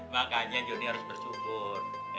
makanya juni harus bersyukur